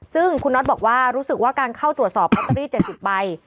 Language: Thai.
ซึ่งคุณน็อตบอกว่ารู้สึกว่าการเข้าตรวจสอบลอตเตอรี่๗๐ใบ